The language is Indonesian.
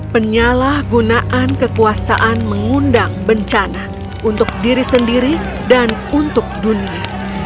penyalahgunaan kekuasaan mengundang bencana untuk diri sendiri dan untuk dunia